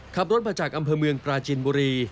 ขับรถมาจากอำเภอเมืองปราจินบุรี